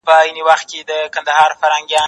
کېدای سي ليکلي پاڼي ګډ وي،